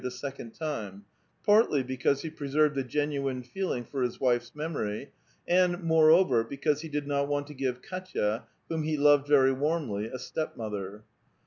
899 to marr^' the second time, partly because he preserved a gen uine feeling for his wife's memory, and, moreover, because he did not want to give Kdtya, whom he loved very warmly, a stepmother.